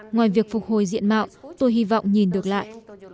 ngoài việc phục hồi diện mạo tôi hy vọng nhìn được lại